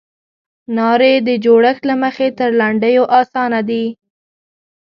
نارې د جوړښت له مخې تر لنډیو اسانه دي.